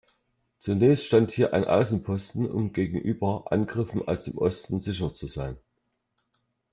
Zunächst stand hier ein Außenposten, um gegenüber Angriffen aus dem Osten sicher zu sein.